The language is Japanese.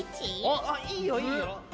あっいいよいいよ。